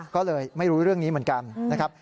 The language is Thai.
ก็เลยไม่รู้เรื่องนี้เหมือนกันนะครับ